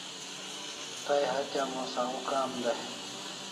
Tay hatya mos au kam e?